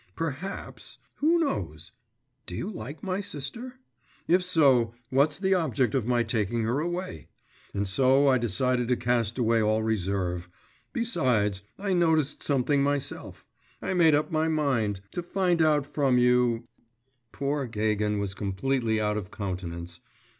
Perhaps … who knows? do you like my sister? If so, what's the object of my taking her away? And so I decided to cast aside all reserve.… Besides, I noticed something myself.… I made up my mind … to find out from you …' Poor Gagin was completely out of countenance.